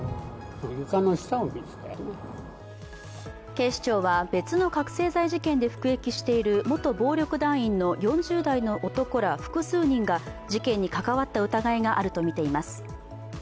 警視庁は別の覚醒剤事件で服役している元暴力団員の４０代の男ら複数人が事件に関わった疑いがあるとみています。